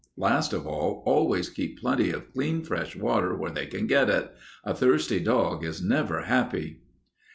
Last of all, always keep plenty of clean, fresh water where they can get it. A thirsty dog is never happy."